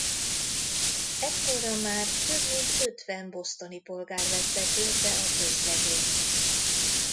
Ekkorra már több mint ötven bostoni polgár vette körbe a közlegényt.